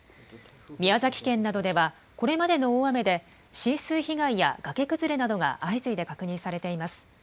宮崎県などでは、これまでの大雨で、浸水被害や崖崩れなどが相次いで確認されています。